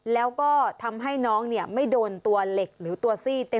แล้วก็ทำให้น้องไม่โดนตัวเหล็กหรือตัวซี่